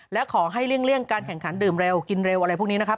และขอให้เลี่ยงการแข่งขันดื่มเร็วกินเร็วอะไรพวกนี้นะครับ